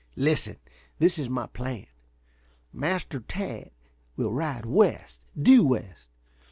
Listen! This is my plan. Master Tad will ride west, due west.